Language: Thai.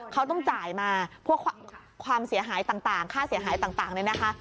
เขาต้องจ่ายมาพวกความเสียหายต่างค่าเสียหายต่างเนี่ยนะคะ